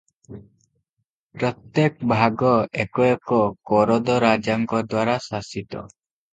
ପ୍ରତ୍ୟେକ ଭାଗ ଏକ ଏକ କରଦରାଜାଙ୍କଦ୍ୱାରା ଶାସିତ ।